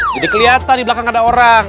jadi kelihatan di belakang nggak ada orang ya